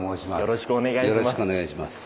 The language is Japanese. よろしくお願いします。